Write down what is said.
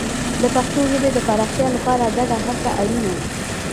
د پښتو ژبې د پراختیا لپاره ګډه هڅه اړینه ده.